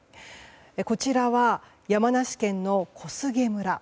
こちらは山梨県の小菅村。